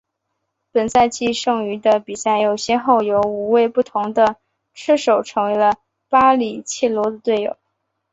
本赛季剩余的比赛里又先后有五位不同的车手成为了巴里切罗的队友。